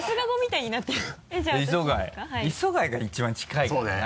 磯貝が一番近いかもな。